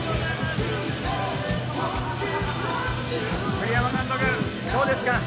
栗山監督、どうですか？